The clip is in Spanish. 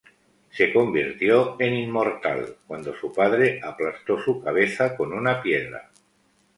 Se convirtió en "Inmortal" cuando su padre aplastó su cabeza con una piedra.